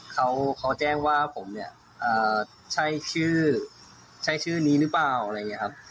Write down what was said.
เขาแจ้งว่าผมใช่ชื่อนี้หรือเปล่าอะไรอย่างนี้ครับ